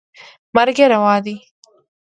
مرګ یې روا دی.